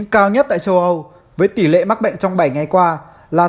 cao nhất tại châu âu với tỷ lệ mắc bệnh trong bảy ngày qua là tám trăm một mươi năm